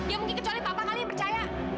gak mungkin kecuali papa kalian yang percaya